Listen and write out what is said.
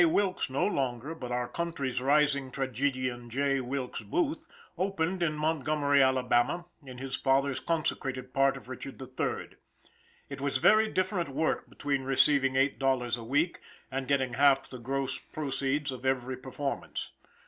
Wilkes no longer, but our country's rising tragedian. J. Wilkes Booth, opened in Montgomery, Alabama, in his father's consecrated part of Richard III. It was very different work between receiving eight dollars a week and getting half the gross proceeds of every performance.